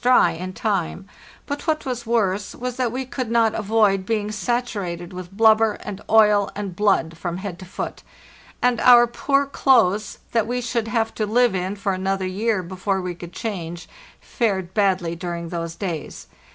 We could put up with getting wet, for one gets dry in time; but what was worse was that we could not avoid being saturated with blubber and oil and blood from head to foot; and our poor clothes, that we should have to live in for another year before we could change, fared badly during those days.